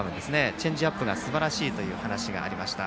チェンジアップがすばらしいという話がありました。